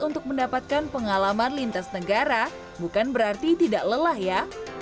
untuk mendapatkan pengalaman lintas negara bukan berarti tidak lelah ya